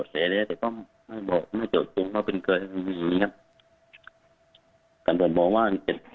ตำรวจบอกว่า